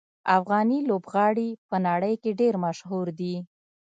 افغاني لوبغاړي په نړۍ کې ډېر مشهور دي.